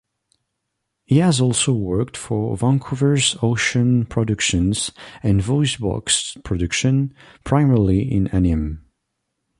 He has also worked for Vancouver's Ocean Productions and VoiceBox Productions, primarily in anime.